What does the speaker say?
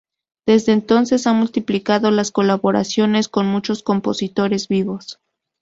Desde entonces, ha multiplicado las colaboraciones con muchos compositores vivos.